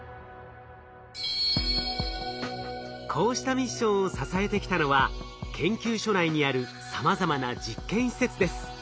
こうしたミッションを支えてきたのは研究所内にあるさまざまな実験施設です。